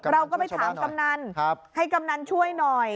เราก็ไปถามกำนันให้กำนันช่วยหน่อย